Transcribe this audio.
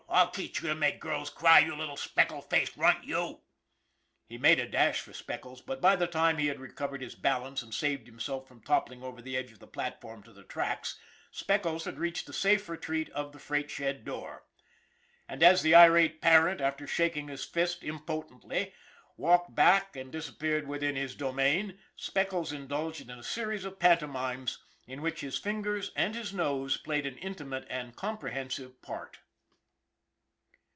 I'll teach you to make girls cry, you little speckled face runt, you !" He made a dash for Speckles, but by the time he had recovered his balance and saved himself from toppling over the edge of the platform to the tracks, Speckles had reached the safe retreat of the freight shed door. And as the irate parent, after shaking his fist im potently, walked back and disappeared within his domain, Speckles indulged in a series of pantomimes in which his fingers and his nose played an intimate and comprehensive part.